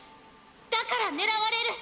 だから狙われる！